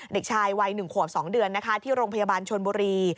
เด็กชายวัย๑ขวบ๒เดือนนะคะที่โรงพยาบาลชนบุรี